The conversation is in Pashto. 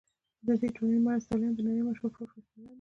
د دې ټولنې مرستیالان د نړۍ مشهور پروفیسوران دي.